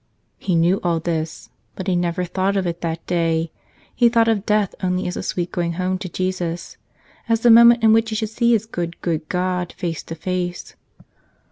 He knew all this, but he never thought of it that day ; he thought of death only as a sweet going home to Jesus, as the moment in which he should see his good, good God face to face.